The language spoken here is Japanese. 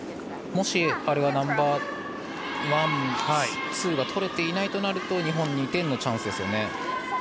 もしあれがナンバーワン、ツーがとれていないとなると日本、２点のチャンスですよね。